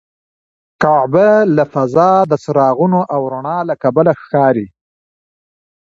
کعبه له فضا د څراغونو او رڼا له کبله ښکاري.